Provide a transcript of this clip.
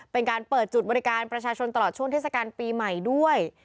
เป็นการเปิดจุดบริการประชาชนตลอดช่วงเทศกาลปีใหม่ด้วย